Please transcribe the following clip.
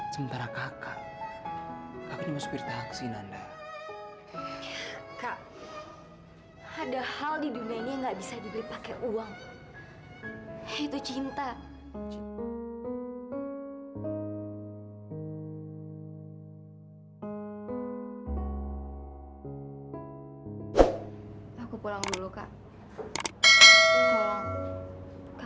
sampai jumpa di video selanjutnya